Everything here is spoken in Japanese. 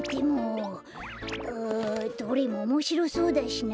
どれもおもしろそうだしな。